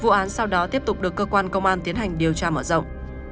vụ án sau đó tiếp tục được cơ quan công an tiến hành điều tra mở rộng